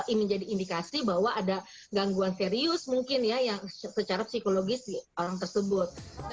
ini menjadi indikasi bahwa ada gangguan serius mungkin ya yang secara psikologis di orang tersebut